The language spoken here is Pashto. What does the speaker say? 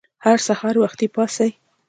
هر سهار وختي پاڅئ!